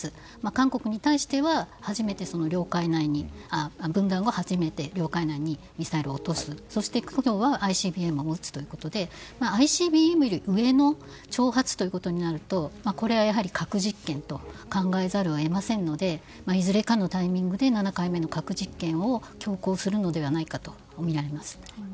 韓国に対しては、分断後初めて領海内にミサイルを撃つとＩＣＢＭを撃つということでＩＣＢＭより上の挑発となると核実験と考えざるを得ませんのでいずれかのタイミングで７回目の核実験を強行するのではないかとみられます。